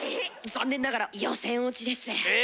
残念ながら予選落ちです。え！